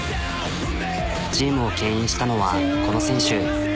チームをけん引したのはこの選手。